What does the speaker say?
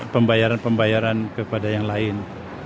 pembayaran pembayaran kepada yang lain